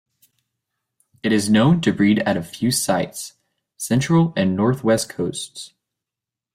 It is known to breed at a few sites, central and north-west coasts.